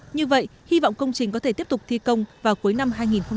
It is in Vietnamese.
như vậy hy vọng công trình có thể tiếp tục thi công vào cuối năm hai nghìn hai mươi